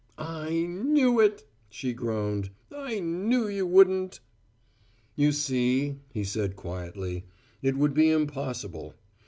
"I knew it!" she groaned. "I knew you wouldn't!" "You see," he said quietly, "it would be impossible.